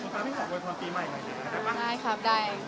ขอบคุณครับ